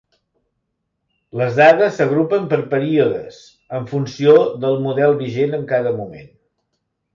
Les dades s'agrupen per períodes en funció del model vigent en cada moment.